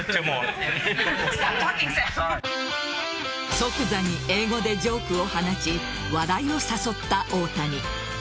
即座に英語でジョークを放ち笑いを誘った大谷。